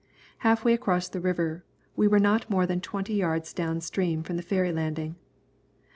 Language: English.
Half way across the river, we were not more than twenty yards down stream from the ferry landing.